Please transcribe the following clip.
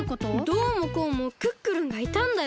どうもこうもクックルンがいたんだよ。